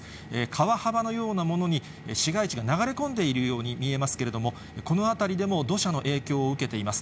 川幅のようなものに市街地が流れ込んでいるように見えますけれども、この辺りでも土砂の影響を受けています。